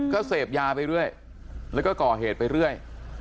ก็เสพยาไปเรื่อยแล้วก็ก่อเหตุไปเรื่อย